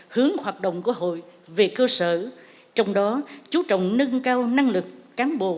hướng hoạt động của hội về cơ sở trong đó chú trọng nâng cao năng lực cán bộ